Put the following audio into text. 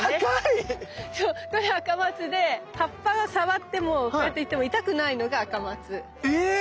そうこれアカマツで葉っぱを触ってもこうやっても痛くないのがアカマツ。え